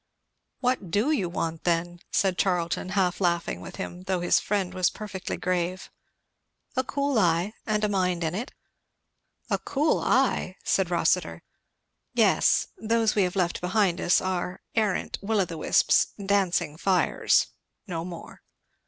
'" "What do you want then?" said Charlton, half laughing at him, though his friend was perfectly grave. "A cool eye, and a mind in it." "A cool eye!" said Rossitur. "Yes. Those we have left behind us are arrant will o'the wisps dancing fires no more."